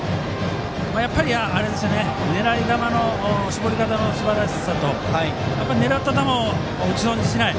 やっぱり狙い球の絞り方のすばらしさと狙った球を打ち損じしない。